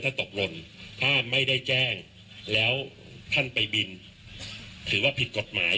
ถ้าตกหล่นถ้าไม่ได้แจ้งแล้วท่านไปบินถือว่าผิดกฎหมาย